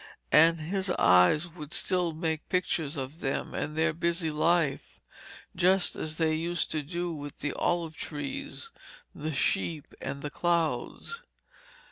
And his eyes would still make pictures of them and their busy life, just as they used to do with the olive trees, the sheep, and the clouds.